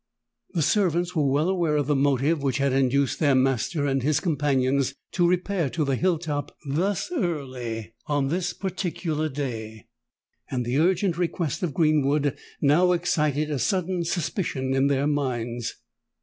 The servants were well aware of the motive which had induced their master and his companions to repair to the hill top thus early on this particular day; and the urgent request of Greenwood now excited a sudden suspicion in their minds.